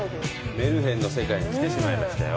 メルヘンの世界に来てしまいましたよ